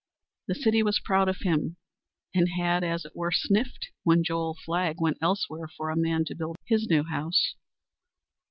The city was proud of him, and had, as it were, sniffed when Joel Flagg went elsewhere for a man to build his new house.